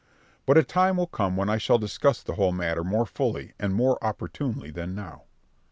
But a time will come when I shall discuss the whole matter more fully and more opportunely than now.